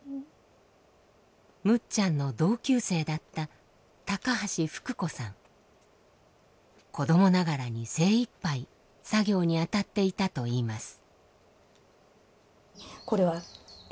むっちゃんの同級生だった子どもながらに精いっぱい作業に当たっていたといいます。